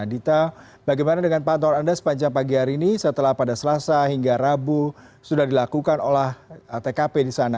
dita bagaimana dengan pantauan anda sepanjang pagi hari ini setelah pada selasa hingga rabu sudah dilakukan olah tkp di sana